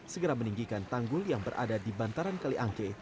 segera meninggikan tanggul yang berada di bantaran kali angke